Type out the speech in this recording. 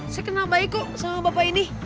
saya kenal baik kok sama bapak ini